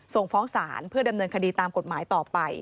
ส่งฟ้องศาลเพื่อดำเนินคดีตามกฎหมายต่อไป